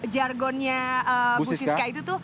jargonnya bu siska itu tuh